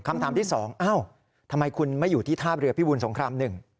คำถามที่๒ทำไมคุณไม่อยู่ที่ท่าเรือพิบูลสงคราม๑